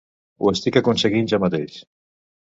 Ho estic aconseguint jo mateix.